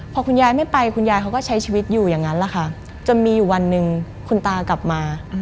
พอคุณยายไม่ไปคุณยายเขาก็ใช้ชีวิตอยู่อย่างนั้นแหละค่ะจนมีอยู่วันหนึ่งคุณตากลับมา